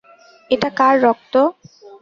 এটা কার রক্ত?